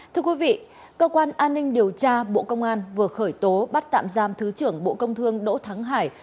thưa quý vị cơ quan an ninh điều tra bộ công an vừa khởi tố bắt tạm giam thứ trưởng bộ công thương đỗ thắng hải